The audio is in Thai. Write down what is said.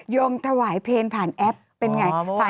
ยมถวายเพลงผ่านแอปเป็นอย่างไร